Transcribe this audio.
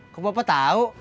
kok bapak tau